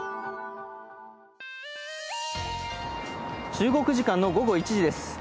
中国時間の午後１時です。